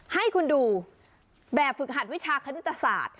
ให้คุณดูแบบฝึกหัดวิชาคณิตศาสตร์